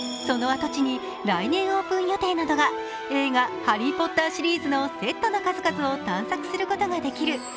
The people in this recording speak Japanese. その跡地に来年オープン予定なのが映画「ハリー・ポッター」シリーズのセットの数々を探索することができる